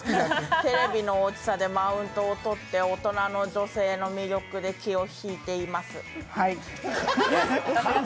テレビの大きさでマウントを取って大人の女性の魅力で気を引いています。